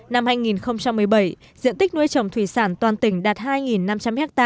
năm hai nghìn một mươi bảy diện tích nuôi trồng thủy sản toàn tỉnh đạt hai năm trăm linh ha